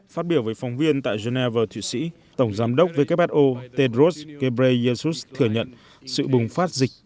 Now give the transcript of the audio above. phát biểu với phóng viên tại geneva thụy sĩ tổng giám đốc who tedros ghebreyesus thừa nhận sự bùng phát dịch